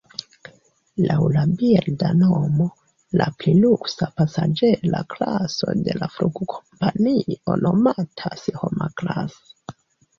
Laŭ la birda nomo, la pli luksa pasaĝera klaso de la flugkompanio nomatas "Homa-Class".